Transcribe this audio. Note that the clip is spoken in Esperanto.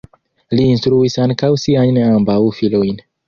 Li instruis ankaŭ siajn ambaŭ filojn.